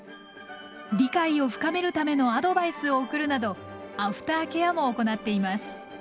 理解を深めるためのアドバイスを送るなどアフターケアも行っています。